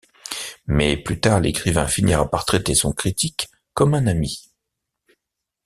Mais plus tard l'écrivain finira par traiter son critique comme un ami.